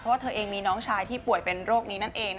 เพราะว่าเธอเองมีน้องชายที่ป่วยเป็นโรคนี้นั่นเอง